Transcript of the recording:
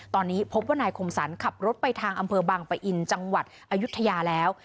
ตอนนี้พบว่านายคมสรรขับรถไปทางอำเภอบางปะอินจังหวัดอายุทยาแล้ว